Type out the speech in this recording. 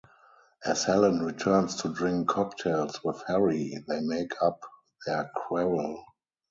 As Helen returns to drink cocktails with Harry, they make up their quarrel.